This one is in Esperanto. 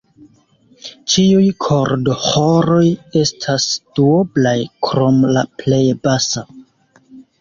Ĉiuj kordoĥoroj estas duoblaj, krom la plej basa.